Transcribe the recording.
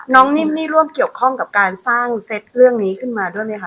นิ่มนี่ร่วมเกี่ยวข้องกับการสร้างเซตเรื่องนี้ขึ้นมาด้วยไหมคะ